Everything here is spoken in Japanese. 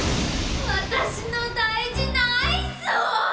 私の大事なアイスを！